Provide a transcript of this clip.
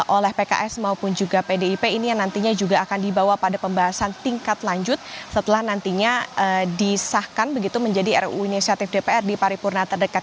oleh pks maupun juga pdip ini yang nantinya juga akan dibawa pada pembahasan tingkat lanjut setelah nantinya disahkan begitu menjadi ru inisiatif dpr di paripurna terdekat